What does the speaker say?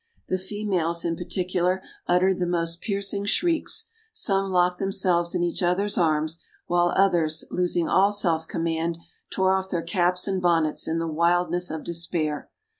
The females, in particular, uttered the most piercing shrieks; some locked themselves in each others arms, while others, losing all self command, tore off their caps and bonnets, in the wildness of despair.